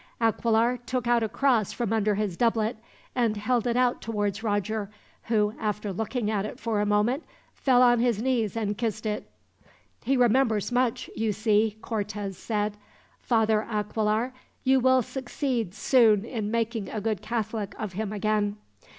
Aquilar took out a cross from under his doublet, and held it out towards Roger, who, after looking at it for a moment, fell on his knees and kissed it. "He remembers much, you see," Cortez said. "Father Aquilar, you will succeed soon in making a good Catholic of him, again.